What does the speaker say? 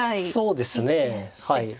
そうですねはい。